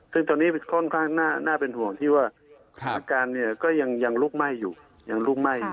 ซึ่งตอนนี้ค่อนข้างน่าเป็นห่วงที่ว่าอาการเนี่ยก็ยังลุกไหม้อยู่ยังลุกไหม้